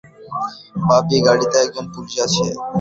পাপি, গাড়িতে একজন পুলিশ আছে?